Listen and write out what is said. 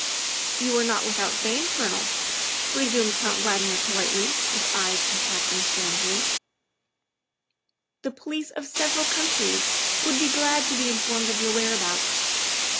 " You are not without fame, Colonel," resumed Count Valdmir politely, his eyes contracting strangely; " the police of several countries would be glad to be informed of your whereabouts.